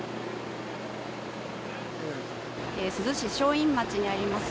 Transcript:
珠洲市正院町にあります